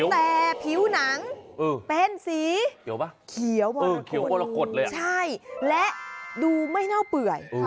แต่ผิวหนังเป็นสีเขียวมรกฏและดูไม่เน่าเปื่อย